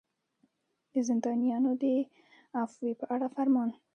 د زندانیانو د عفوې په اړه فرمان.